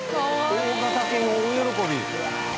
大型犬大喜び。